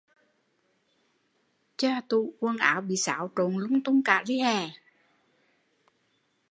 Tủ quần áo bị xáo trộn lung tung cả